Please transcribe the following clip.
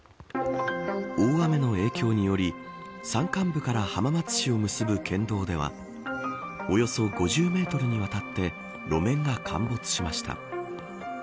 大雨の影響により山間部から浜松市を結ぶ県道ではおよそ５０メートルにわたって路面が陥没しました。